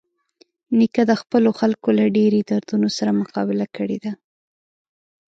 نیکه د خپلو خلکو له ډېرۍ دردونو سره مقابله کړې ده.